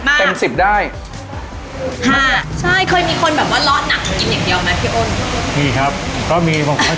กลางไม่เผ็ดมาก